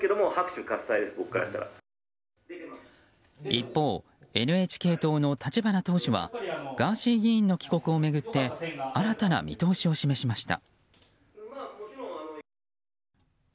一方、ＮＨＫ党の立花党首はガーシー議員の帰国を巡って新たな見通しを示しました。